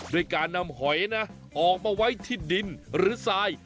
ด้วยการนำหอยนะออกมาไว้ที่ดินหรือทราย